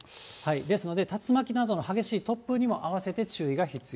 ですので、竜巻などの激しい突風にも併せて注意が必要。